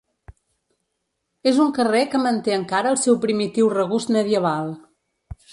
És un carrer que manté encara el seu primitiu regust medieval.